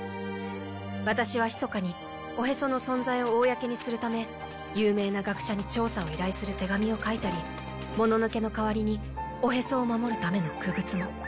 ワタシはひそかにおへその存在を公にするため有名な学者に調査を依頼する手紙を書いたりもののけの代わりにおへそを守るための傀儡も。